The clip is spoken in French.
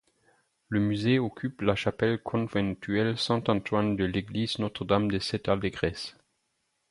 Le musée occupe la chapelle conventuelle Saint-Antoine de l'église Notre-Dame-des-Sept-Allégresses.